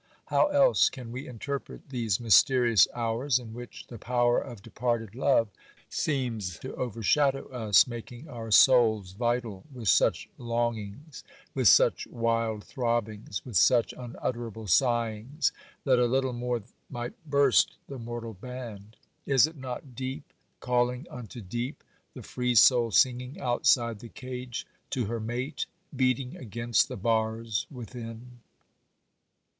How else can we interpret these mysterious hours, in which the power of departed love seems to overshadow us, making our souls vital with such longings, with such wild throbbings, with such unutterable sighings, that a little more might burst the mortal band? Is it not deep calling unto deep? the free soul singing outside the cage to her mate, beating against the bars within?